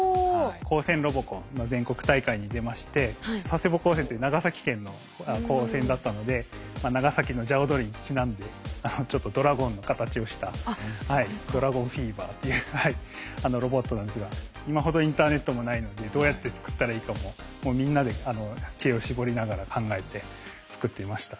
高専ロボコンの全国大会に出まして佐世保高専という長崎県の高専だったので長崎の龍踊りにちなんでちょっとドラゴンの形をしたドラゴンフィーバーというロボットなんですが今ほどインターネットもないのでどうやって作ったらいいかももうみんなで知恵を絞りながら考えて作っていました。